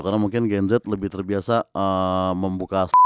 karena mungkin gen z lebih terbiasa membuka